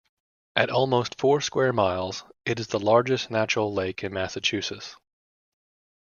At almost four square miles, it is the largest natural lake in Massachusetts.